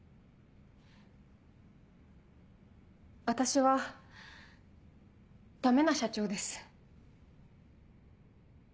私はダメな社長です。